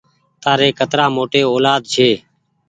تآري ڪترآ موٽي اولآد ڇي۔